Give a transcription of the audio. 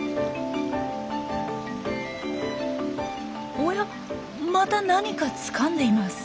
おやまた何かつかんでいます。